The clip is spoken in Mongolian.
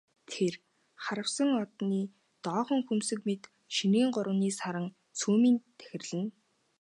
Тэр харвасан одны доохон хөмсөг мэт шинийн гуравны саран сүүмийн тахирлана.